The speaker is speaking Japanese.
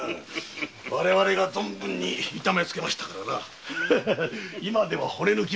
我々が存分に痛めつけましたから今では骨抜きも同然。